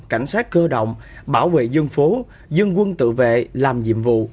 cảnh sát cơ động bảo vệ dân phố dân quân tự vệ làm nhiệm vụ